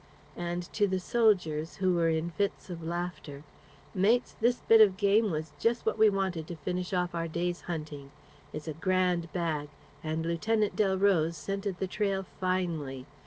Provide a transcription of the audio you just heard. And, to the soldiers, who were in fits of laughter, "Mates, this bit of game was just what we wanted to finish off our day's hunting. It's a grand bag; and Lieutenant Delroze scented the trail finely.